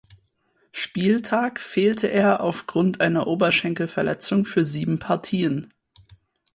Spieltag fehlte er aufgrund einer Oberschenkelverletzung für sieben Partien.